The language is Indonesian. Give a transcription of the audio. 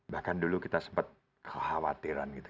bahkan dulu kita sempat kekhawatiran gitu